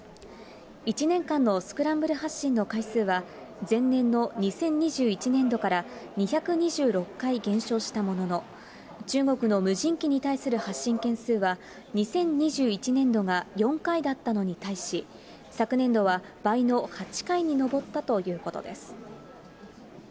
１年間のスクランブル発進の回数は、前年の２０２１年度から２２６回減少したものの、中国の無人機に対する発進件数は、２０２１年度が４回だったのに対し、昨年度は倍の８回に上ったということです。